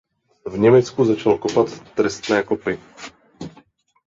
V Německu začal kopat trestné kopy.